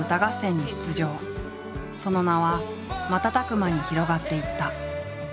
その名は瞬く間に広がっていった。